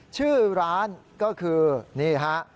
ชื่อร้านก็คือนี่ฮะ